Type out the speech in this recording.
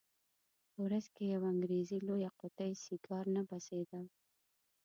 په ورځ کې یوه انګریزي لویه قطي سیګار نه بسېدل.